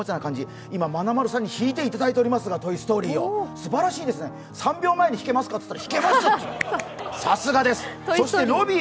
今まなまるさんにひいていただいていますが、トイ・ストーリー、すばらしいですね、３秒前に「弾けますか？」と聞いたら弾けますと、さすがです。